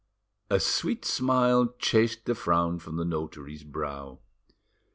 A sweet smile chased the frown from the notary's brow.